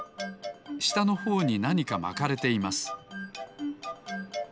したのほうになにかまかれています